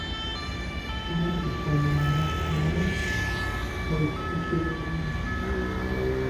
Wampisi omulala n'addamu nti, buli kimu kiri bulungi.